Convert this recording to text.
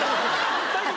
大丈夫。